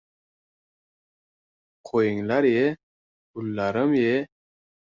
— Qo‘yinglar-ye, ullarim-ye...